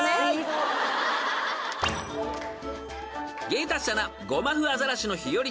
［芸達者なゴマフアザラシの］